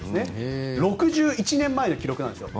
６１年前の記録なんですよ。